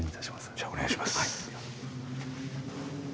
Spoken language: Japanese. じゃあお願いします。